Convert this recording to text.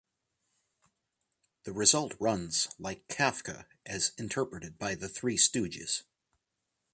The result runs like Kafka as interpreted by the Three Stooges.